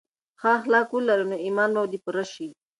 که ښه اخلاق ولرې نو ایمان به دې پوره شي.